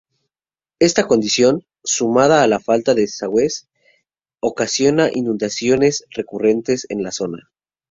Esta condición, sumada a la falta de desagües, ocasiona inundaciones recurrentes en la zona.